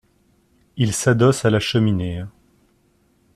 Il s’adosse à la cheminée.